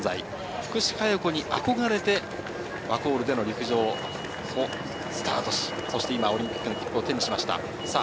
福士加代子にあこがれて、ワコールでの陸上をスタートし、今、オリンピックを手にしました。